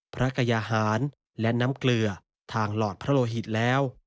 พระกยาหารและน้ำเกลือทางหลอดพระโลหิตแล้ว